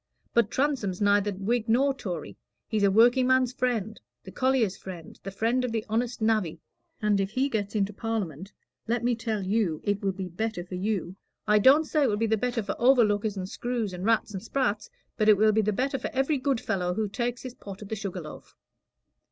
But Transome's neither Whig nor Tory; he's the workingman's friend, the collier's friend, the friend of the honest navvy. And if he gets into Parliament, let me tell you it will be better for you. I don't say it will be the better for overlookers and screws, and rats and sprats; but it will be the better for every good fellow who takes his pot at the Sugar Loaf."